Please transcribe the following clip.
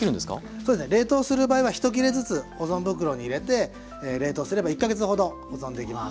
そうですね。冷凍する場合は１切れずつ保存袋に入れて冷凍すれば１か月ほど保存できます。